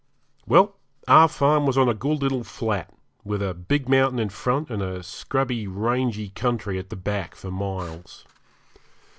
Well, our farm was on a good little flat, with a big mountain in front, and a scrubby, rangy country at the back for miles.